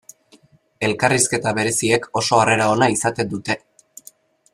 Elkarrizketa bereziek oso harrera ona izaten dute.